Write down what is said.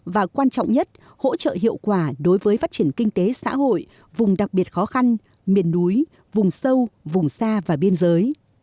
và quan trọng nhất hỗ trợ hiệu quả đối với phát triển kinh tế xã hội vùng đặc biệt khó khăn miền núi vùng sâu vùng xa và biên giới